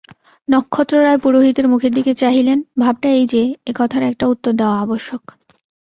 নক্ষত্ররায় পুরোহিতের মুখের দিকে চাহিলেন–ভাবটা এই যে, এ কথার একটা উত্তর দেওয়া আবশ্যক।